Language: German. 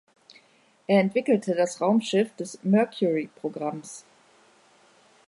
Er entwickelte das Raumschiff des Mercury-Programms.